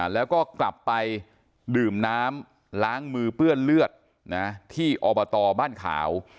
แล้วก็กลับไปดื่มน้ำล้างมือเปื้อนเลือดที่อบตบ้านขาว